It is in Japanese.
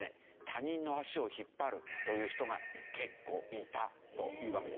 他人の足を引っ張るという人が結構いたというわけ。